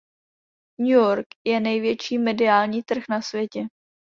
New York je největší mediální trh na světě.